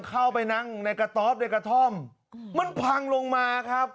เข้าไปนั่งในกระต๊อบในกระท่อมมันพังลงมาครับ